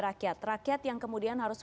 rakyat rakyat yang kemudian harus